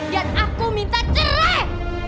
dan aku minta cerai